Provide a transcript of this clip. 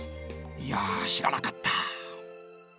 いや知らなかった。